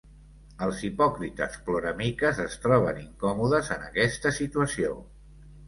Els hipòcrites ploramiques es troben incòmodes en aquesta situació.